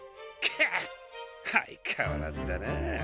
カッあいかわらずだな。